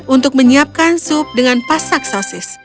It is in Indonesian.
untuk menyiapkan sup dengan pasak sosis